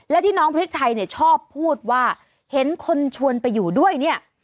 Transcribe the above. และที่น้องพริกไทยเนี่ยชอบพูดว่าเห็นคนชวนไปอยู่ด้วยเนี่ย